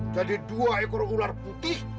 jadi dua ekor ular putih